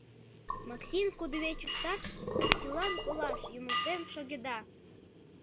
Максин кудывечыштак Максилан колаш юмылтен шогеда...